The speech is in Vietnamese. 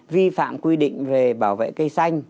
vi phạm quy định về bảo vệ cây xanh